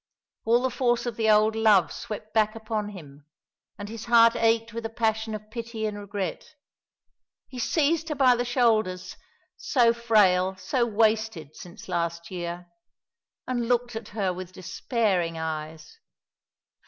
All the force of the old love swept back upon him; and his heart ached with a passion of pity and regret. He seized her by the shoulders so frail, so wasted, since last year and looked at her with despairing eyes.